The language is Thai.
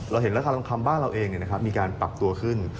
เห็นราคาทองคำบ้านเราเองมีการปรับตัวขึ้น